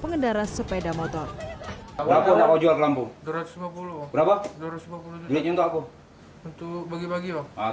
pengendara sepeda motor berapa jual ke lampung dua ratus lima puluh berapa dua ratus lima puluh jilidnya untuk aku untuk bagi bagi